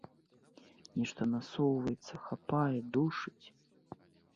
Нешта насоўваецца, хапае, душыць.